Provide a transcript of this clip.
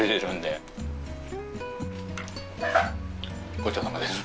ごちそうさまです。